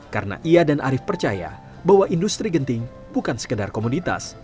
karena ia dan arief percaya bahwa industri genting bukan sekedar komunitas